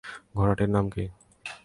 ঘোড়াটার নাম কী?